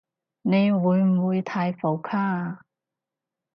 你會唔會太浮誇啊？